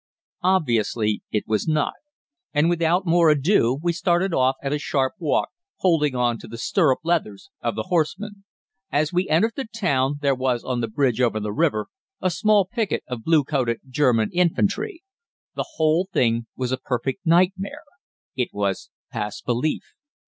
"Obviously it was not, and without more ado we started off at a sharp walk, holding on to the stirrup leathers of the horsemen. "As we entered the town there was on the bridge over the river, a small picket of blue coated German infantry. The whole thing was a perfect nightmare. It was past belief.